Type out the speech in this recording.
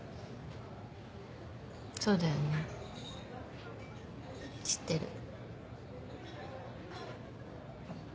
そうだよね知ってる。